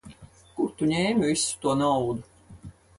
Kur tu ņēmi visu to naudu?